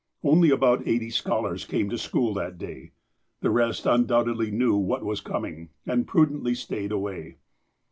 Only about eighty scholars came to school that day. Tlie rest undoubtedly knew what was coming, and pru dently stayed away.